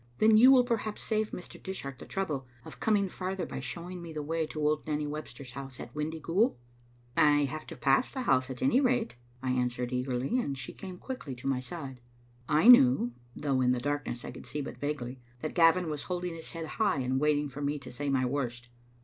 Then you will perhaps save Mr. Dishart the trouble of com ing farther by showing me the way to old Nanny Webster's house at Windyghoul?" "I have to pass the house at any rate," I answered eagerly, and she came quickly to my side. I knew, though in the darkness I could see but vaguely, that Gavin was holding his head high and waiting for me to say my worst.